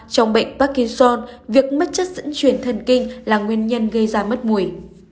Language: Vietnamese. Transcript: trong bệnh parkinson việc mất chất dẫn chuyển thần kinh là nguyên nhân gây ra mất mùi